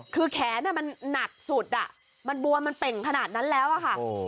คือแขนมันหนักสุดมันบวมมันเป่งขนาดนั้นแล้วอะค่ะ